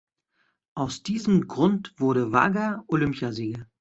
Aus diesem Grund wurde Varga Olympiasieger.